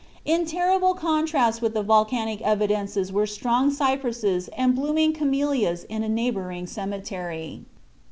In terrible contrast with the volcanic evidences were strong cypresses and blooming camelias in a neighboring cemetery.